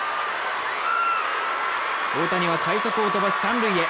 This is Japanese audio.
大谷は快足を飛ばし三塁へ。